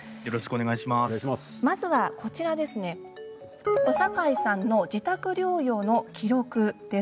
まずは小堺さんの自宅療養の記録です。